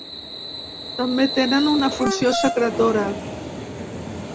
També tenen una funció secretora.